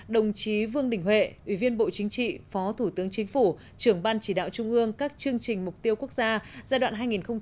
đồng chí vương đình huệ ủy viên bộ chính trị phó thủ tướng chính phủ trưởng ban chỉ đạo trung ương các chương trình mục tiêu quốc gia giai đoạn hai nghìn một mươi sáu hai nghìn hai mươi